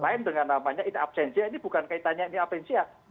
lain dengan namanya ini absensia ini bukan kaitannya ini apa yang siap